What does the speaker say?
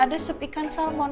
ada sup ikan salmon